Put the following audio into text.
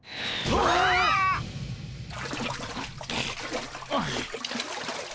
あっ！